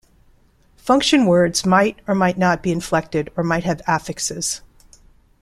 Function words might or might not be inflected or might have affixes.